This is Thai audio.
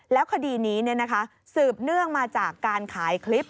แล้วคดีนี้สืบเนื่องมาจากการขายคลิป